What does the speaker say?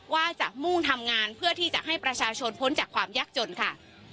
ว่าจะมุ่งทำงานเพื่อที่จะให้ประชาชนพ้นจากความยากจนค่ะ